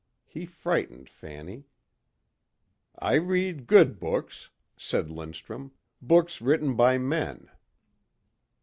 He frightened Fanny. "I read good books," said Lindstrum, "books written by men."